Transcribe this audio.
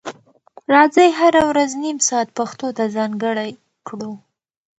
راځئ هره ورځ نیم ساعت پښتو ته ځانګړی کړو.